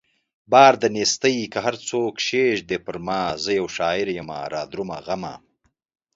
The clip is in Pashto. بار د نيستۍ که هر څو کښېږدې پرما زه يو شاعر يمه رادرومه غمه